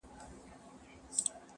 د ها بل يوه لكۍ وه سل سرونه٫